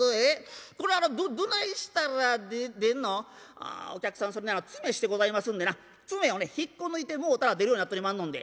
「ああお客さんそれなら詰めしてございますんでな詰めをね引っこ抜いてもうたら出るようになっとりまんのんで」。